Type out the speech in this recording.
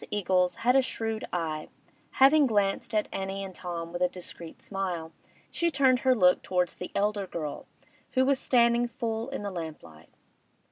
Eagles had a shrewd eye; having glanced at Annie and Tom with a discreet smile, she turned her look towards the elder girl, who was standing full in the lamplight.